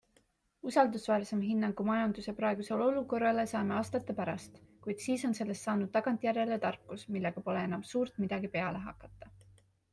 Usaldusväärsema hinnangu majanduse praegusele olukorrale saame aastate pärast, kuid siis on sellest saanud tagantjärele tarkus, millega pole enam suurt midagi peale hakata.